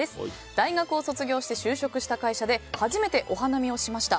大学を卒業して就職した会社で初めてお花見をしました。